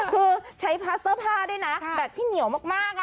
คือใช้พาสเตอร์ผ้าด้วยนะแบบที่เหนียวมาก